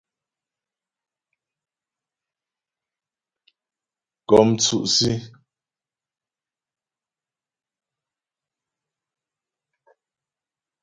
Kɔ́ mtsʉ́' Sí.